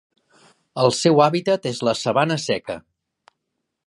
El seu hàbitat és la sabana seca.